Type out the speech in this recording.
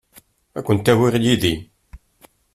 Ad kent-awiɣ yid-i.